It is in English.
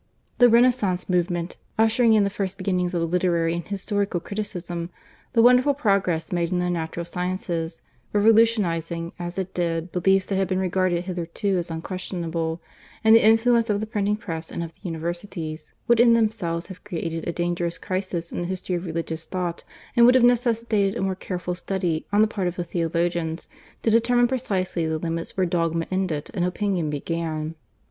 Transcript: The Renaissance movement ushering in the first beginnings of literary and historical criticism, the wonderful progress made in the natural sciences, revolutionising as it did beliefs that had been regarded hitherto as unquestionable, and the influence of the printing press and of the universities, would in themselves have created a dangerous crisis in the history of religious thought, and would have necessitated a more careful study on the part of the theologians to determine precisely the limits where dogma ended and opinion began.